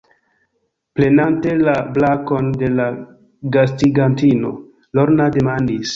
Prenante la brakon de la gastigantino, Lorna demandis: